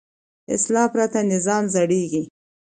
اصلاح پرته نظام زړېږي